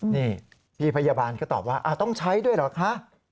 นี่พี่พยาบาลก็ตอบว่าต้องใช้ด้วยเหรอคะ